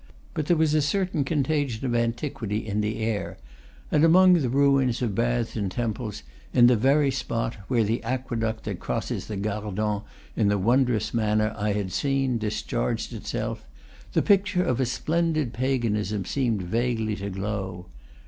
But there was a certain contagion of antiquity in the air; and among the ruins of baths and temples, in the very spot where the aqueduct that crosses the Gardon in the wondrous manner I had seen discharged itself, the picture of a splendid paganism seemed vaguely to glow.